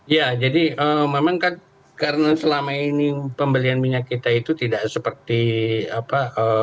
ya jadi memang kan karena selama ini pembelian minyak kita itu tidak seperti apa